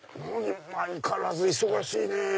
相変わらず忙しいね。